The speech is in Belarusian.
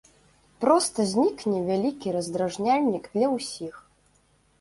Проста знікне вялікі раздражняльнік для ўсіх.